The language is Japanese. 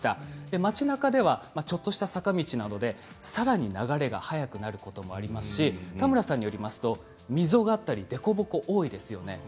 街なかではちょっとした坂道などでさらに流れが速くなることもありますし田村さんによりますと溝があったり凸凹が多いですよね。